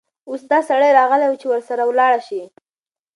اوس دا سړى راغلى وو، چې ورسره ولاړه شې.